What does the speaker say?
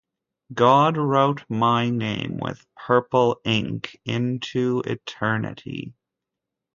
God wrote my name with purple ink into Eternity.